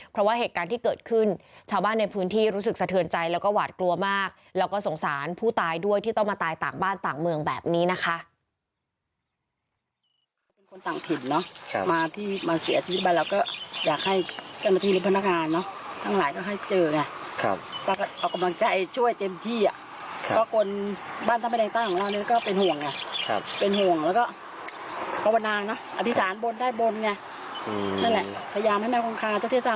เพราะว่าเหตุการณ์ที่เกิดขึ้นชาวบ้านในพื้นที่รู้สึกสะเทือนใจแล้วก็หวาดกลัวมากแล้วก็สงสารผู้ตายด้วยที่ต้องมาตายต่างบ้านต่างเมืองแบบนี้นะคะ